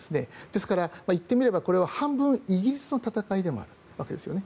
ですから、言ってみればこれは半分イギリスの戦いでもあるということですよね。